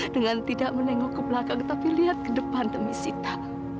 dengan tidak menengok ke belakang tapi lihat ke depan demi sita